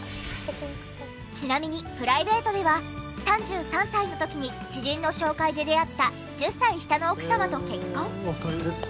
ちなみにプライベートでは３３歳の時に知人の紹介で出会った１０歳下の奥様と結婚。